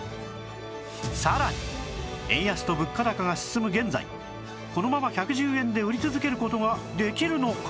さらに円安と物価高が進む現在このまま１１０円で売り続ける事ができるのか？